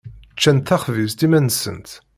Ččant taxbizt iman-nsent.